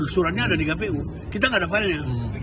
suratnya ada di kpu kita gak ada file nya